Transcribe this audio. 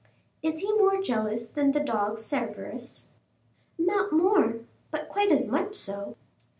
"Is he more jealous than the dog Cerberus?" "Not more, but quite as much so."